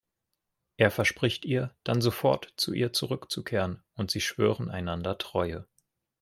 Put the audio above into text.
Er verspricht ihr, dann sofort zu ihr zurückzukehren und sie schwören einander Treue.